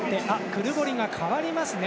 クルボリが代わりますね。